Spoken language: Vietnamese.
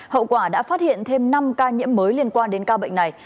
hậu quả đã phát hiện thêm năm ca nhiễm mới liên quan đến ca bệnh này